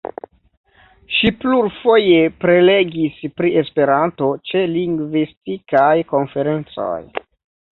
Ŝi plurfoje prelegis pri Esperanto ĉe lingvistikaj konferencoj.